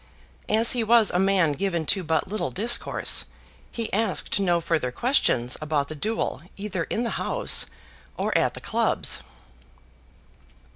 As he was a man given to but little discourse, he asked no further questions about the duel either in the House or at the Clubs.